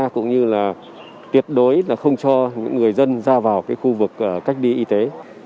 cũng như là tiệt đối không cho những người dân ra vào khu vực cách đi y tế